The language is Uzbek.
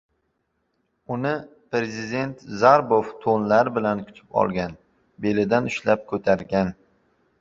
Uni Prezident zarbof toʻnlar bilan kutib olgan, belidan ushlab koʻtargan.